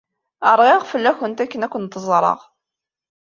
Rɣiɣ fell-awent akken ad kent-ẓreɣ.